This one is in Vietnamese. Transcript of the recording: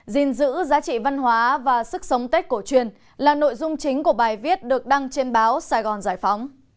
dình dữ giá trị văn hóa và sức sống tết cổ truyền là nội dung chính của bài viết được đăng trên báo sài gòn giải phóng